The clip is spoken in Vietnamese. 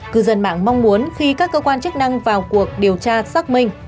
cư dân mạng mong muốn khi các cơ quan chức năng vào cuộc điều tra xác minh